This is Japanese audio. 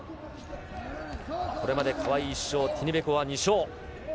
これまで川井１勝ティニベコワ２勝。